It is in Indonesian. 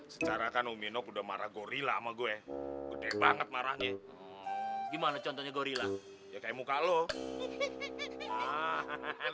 secara kan umi nob udah marah gorilla sama gue gede banget marahnya gimana contohnya gorilla